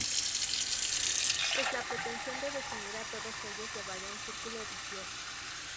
Pues la pretensión de definir a todos ellos llevaría a un círculo vicioso.